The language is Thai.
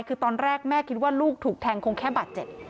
คือตอนแรกแม่คิดว่าลูกถูกแทงคงแค่บาดเจ็บ